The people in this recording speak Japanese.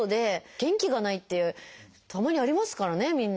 元気がないってたまにありますからねみんな。